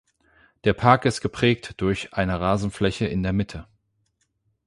Der Park ist geprägt durch eine Rasenfläche in der Mitte.